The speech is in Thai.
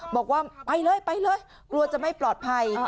บอกว่าไปเลยไปเลยกลัวจะไม่ปลอดภัย